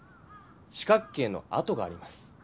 四角形のあとがあります。